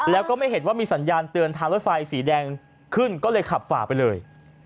แล้วก็ไม่เห็นว่ามีสัญญาณเตือนทางรถไฟสีแดงขึ้นก็เลยขับฝ่าไปเลย